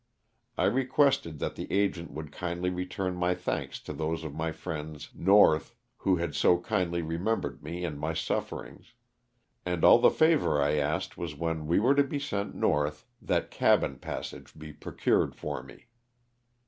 I requested that the agent would kindly return my thanks to those of my friends North who had so kindly remembered me and my sufferings, and all the favor I asked was when we were to be sent North that cabin passage be procured for me.